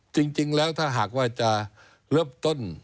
จริงแล้วถ้าหากว่าจะเริ่มต้น